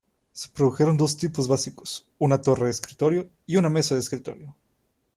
Se produjeron dos tipos básicos, una torre de escritorio y una mesa de escritorio.